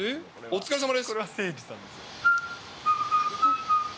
お疲れさまです。